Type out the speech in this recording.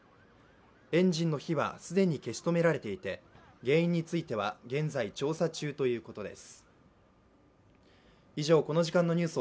エンジンの火は既に消し止められていて、原因については現在、調査中ということです。